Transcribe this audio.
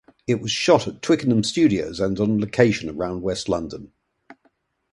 It was shot at Twickenham Studios and on location around West London.